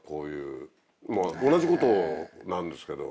同じことなんですけど。